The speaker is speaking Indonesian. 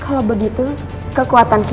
kalau begitu kekuatan kita akan bersatu